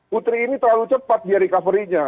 putri ini terlalu cepat dia recovery nya